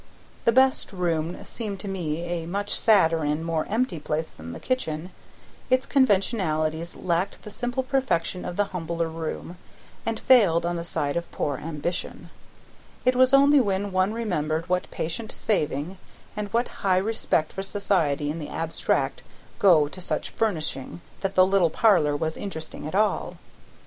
The best room seemed to me a much sadder and more empty place than the kitchen; its conventionalities lacked the simple perfection of the humbler room and failed on the side of poor ambition; it was only when one remembered what patient saving, and what high respect for society in the abstract go to such furnishing that the little parlor was interesting at all.